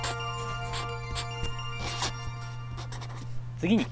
次に